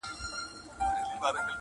کلونه واوښتل عمرونه تېر سول!.